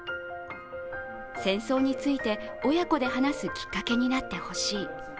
戦争について親子で話すきっかけになってほしい。